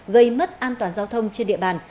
gây mất an toàn giao thông trên địa bàn